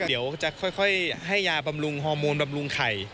เดี๋ยวจะค่อยให้ยาบำรุงฮอร์โมนบำรุงไข่